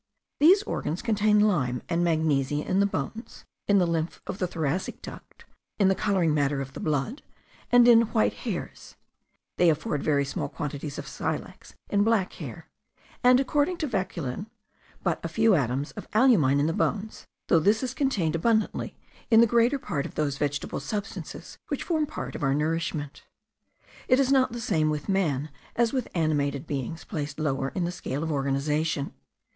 These organs contain lime and magnesia in the bones, in the lymph of the thoracic duct, in the colouring matter of the blood, and in white hairs; they afford very small quantities of silex in black hair; and, according to Vauquelin, but a few atoms of alumine in the bones, though this is contained abundantly in the greater part of those vegetable substances which form part of our nourishment. It is not the same with man as with animated beings placed lower in the scale of organization.